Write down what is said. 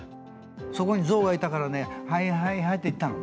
そこに象がいたからね、はいはいはいって行ったの。